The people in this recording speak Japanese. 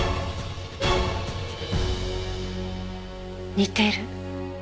似てる。